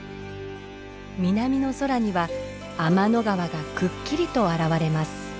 南の空には天の川がくっきりと現れます。